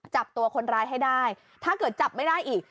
จับตัวคนร้ายให้ได้ถ้าเกิดจับไม่ได้อีก